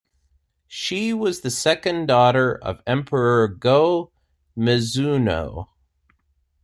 She was the second daughter of Emperor Go-Mizunoo.